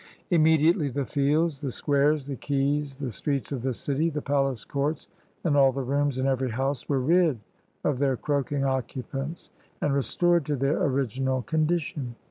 Immediately the fields, the squares, the quays, the streets of the city, the palace courts, and all the rooms in every house were rid of their croaking occupants and restored to their original condition.